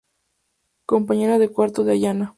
Compañera de cuarto de Ayana.